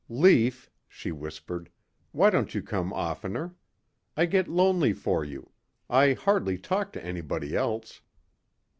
"Lief," she whispered, "why don't you come oftener. I get lonely for you. I hardly talk to anybody else."